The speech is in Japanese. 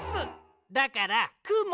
だからくも！